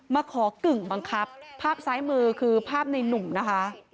มาขอกึ่งบังคับภาพซ้ายมือคือภาพในนุ่มนะคะ